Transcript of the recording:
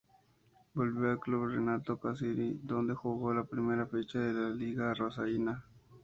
Volvió al Club Renato Cesarini, donde jugó la primera fecha de la Liga Rosarina.